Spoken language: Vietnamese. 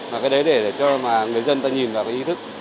mà cái đấy để cho mà người dân ta nhìn vào cái ý thức